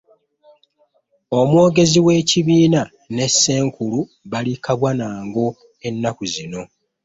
Omwogezi w'ekibiina ne Ssenkulu bali kabwa na ngo ennaku zino.